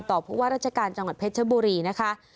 ผู้ว่าราชการจังหวัดเพชรบุรีนะคะ